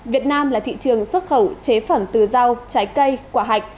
việt nam là thị trường xuất khẩu chế phẩm từ rau trái cây quả hạch